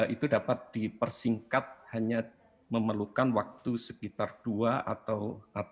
itu dapat dipersingkat hanya memerlukan waktu sekitar dua atau